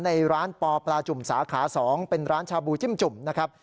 ในร้านปอปลาจุ่มสาขา๒เป็นร้านชาบูจิ้มจุ่มนะครับ